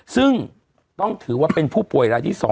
ซึ่งต้องถือว่าเป็นผู้ป่วยรายที่๒